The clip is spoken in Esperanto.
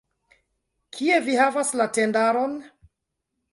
Kie vi havas la tendaron?